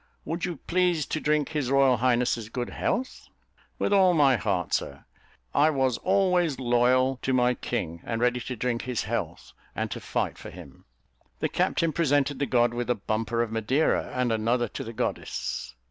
Would you please to drink his royal highness's good health?" "With all my heart, sir; I was always loyal to my king, and ready to drink his health, and to fight for him." The captain presented the god with a bumper of Madeira, and another to the goddess.